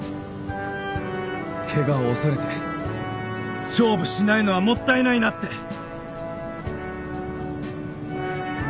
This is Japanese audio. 怪我を恐れて勝負しないのはもったいないなって。